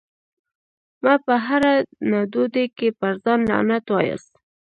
مه په هره نادودي کي پر ځان لعنت واياست